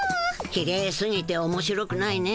きれいすぎておもしろくないね。